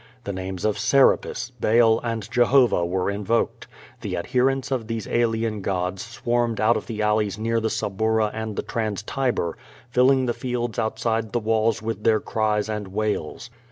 The names of Serapis, Baal, and Jehovah were invoked. The adherents of these alien gods swarmed out of the alleys near the Suburra and the Trans Tiber, filling the fields outside the walls with their cries and wails.